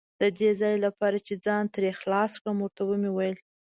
د دې لپاره چې ځان ترې خلاص کړم، ور ته مې وویل.